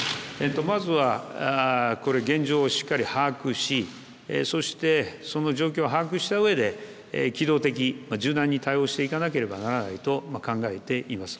まずは現状をしっかりと把握しそしてその状況を把握したうえで機動的柔軟に対応していかなければならないと考えております。